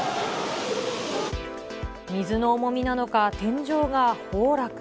水の重みなのか、天井が崩落。